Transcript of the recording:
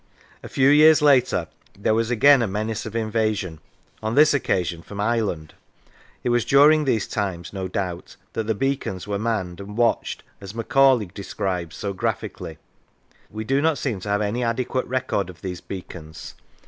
A few years later there was again a menace of inva sion, on this occasion from Ireland. It was during these times, no doubt, that the Beacons were manned and watched, as Macaulay describes so graphically. We do not seem to have any adequate record of these beacons.